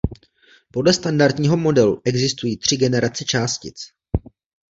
Podle Standardního modelu existují tři generace částic.